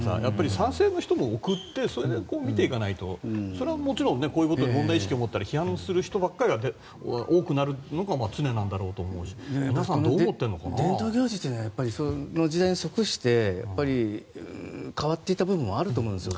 賛成の人も送ってそれで見ていかないとそれはもちろんこういう問題意識を持ったり批判する人ばかりが多くなるのが常なんだろうと思うし伝統行事というのはその時代に即して変わっていった部分もあると思うんですよ。